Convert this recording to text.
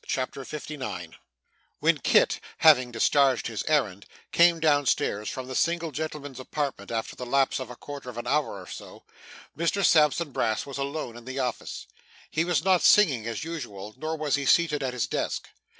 CHAPTER 59 When Kit, having discharged his errand, came down stairs from the single gentleman's apartment after the lapse of a quarter of an hour or so, Mr Sampson Brass was alone in the office. He was not singing as usual, nor was he seated at his desk.